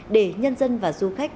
để nhân dân và du khách